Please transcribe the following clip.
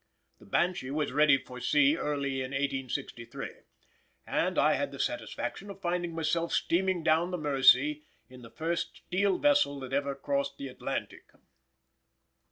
The Banshee was ready for sea early in 1863, and I had the satisfaction of finding myself steaming down the Mersey in the first steel vessel that ever crossed the Atlantic.